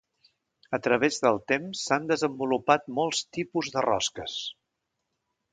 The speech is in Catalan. A través del temps s'han desenvolupat molts tipus de rosques.